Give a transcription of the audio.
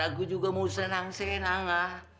aku juga mau senang senang lah